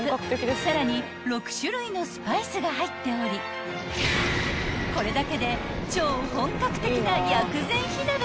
［さらに６種類のスパイスが入っておりこれだけで超本格的な薬膳火鍋が作れちゃう優れもの］